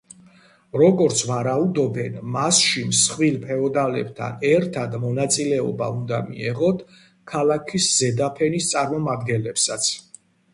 როგორც ვარაუდობენ, მასში მსხვილ ფეოდალებთან ერთად მონაწილეობა უნდა მიეღოთ ქალაქის ზედაფენის წარმომადგენლებსაც.